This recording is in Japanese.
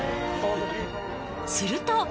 すると。